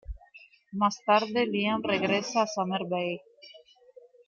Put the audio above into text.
Más tarde Liam regresa a Summer Bay.